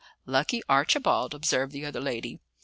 "Lucky Archibald!" observed the other lady.